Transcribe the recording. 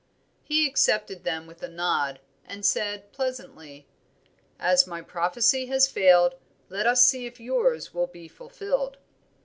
He accepted them with a nod, and said pleasantly "As my prophecy has failed, let us see if yours will be fulfilled."